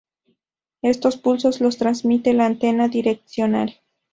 Estos pulsos los transmite la antena direccional.